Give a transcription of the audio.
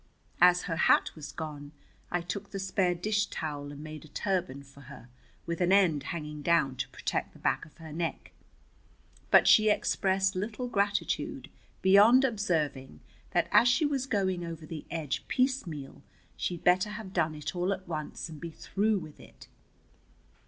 As her hat was gone, I took the spare dish towel and made a turban for her, with an end hanging down to protect the back of her neck. But she expressed little gratitude, beyond observing that as she was going over the edge piecemeal, she'd better have done it all at once and be through with it.